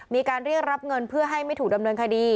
มีการเรียกรับเงินเพื่อให้ไม่ถูกดำเนินคดี